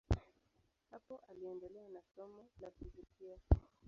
Hapo aliendelea na somo la fizikia.